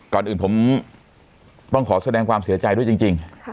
ก่อนอื่นผมต้องขอแสดงความเสียใจด้วยจริง